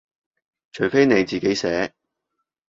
除非你自己寫